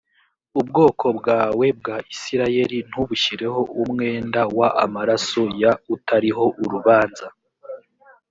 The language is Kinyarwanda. ubwoko bwawe bwa isirayeli ntubushyireho umwenda w amaraso y utariho urubanza